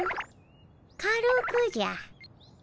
軽くじゃ。